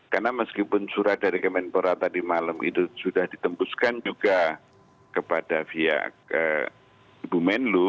karena meskipun surat dari kementerian luar negeri tadi malam itu sudah ditembuskan juga kepada via bumenlu